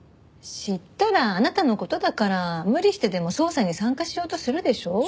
知ったらあなたの事だから無理してでも捜査に参加しようとするでしょ？